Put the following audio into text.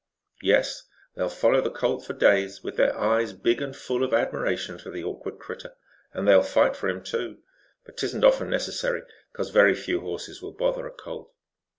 "Yes. They'll follow the colt for days, with their eyes big and full of admiration for the awkward critter. And they'll fight for him too. But 'tisn't often necessary, 'cause very few horses will bother a colt.